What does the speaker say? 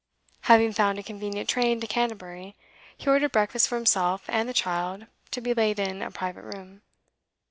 Having found a convenient train to Canterbury, he ordered breakfast for himself and the child to be laid in a private room.